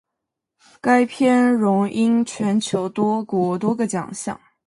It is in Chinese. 该片荣膺全球多国多个奖项。